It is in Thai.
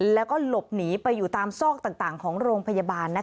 แล้วก็หลบหนีไปอยู่ตามซอกต่างของโรงพยาบาล